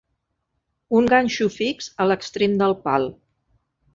Un ganxo fix a l'extrem del pal.